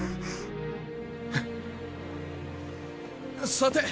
さて！